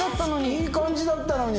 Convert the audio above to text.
いい感じだったのに。